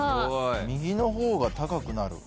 「右の方が高くなる」